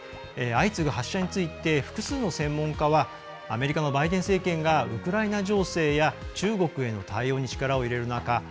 相次ぐ発射について複数の専門家はアメリカのバイデン政権がウクライナ情勢や中国への対応に力を入れる中